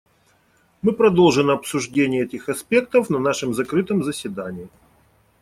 Мы продолжим обсуждение этих аспектов на нашем закрытом заседании.